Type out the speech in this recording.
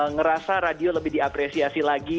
ngerasa radio lebih diapresiasi lagi